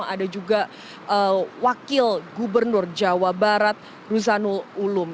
ada juga wakil gubernur jawa barat ruzanul ulum